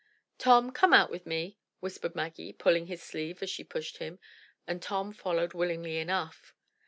"Tom, come out with me," whispered Maggie, pulling his sleeve as she pushed him, and Tom followed willingly enough.